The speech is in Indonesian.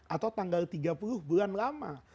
atau tanggal tiga puluh bulan lama